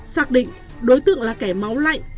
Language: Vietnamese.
xác định đối tượng là kẻ máu lạnh